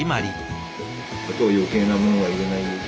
あとは余計なものは入れないよ。